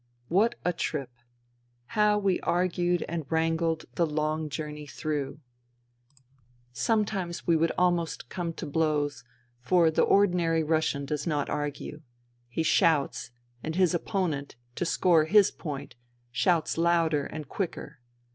What a trip 1 How we argued and wrangled the long journey through ! Sometimes we would almost 152 FUTILITY come to blows ; for the ordinary Russian does not argue : he shouts, and his opponent, to score his point, shouts louder and quicker.